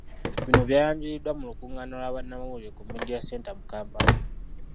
Bino byayanjuliddwa mu lukungaana lwa Bannamawulire ku Media Centre mu Kampala.